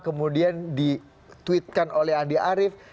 kemudian dituitkan oleh andi arief